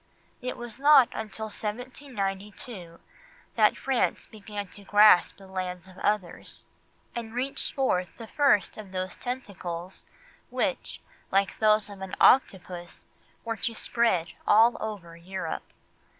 It was not until 1792 that France began to grasp the lands of others, and reached forth the first of those tentacles, which, like those of an octopus, were to spread all over Europe.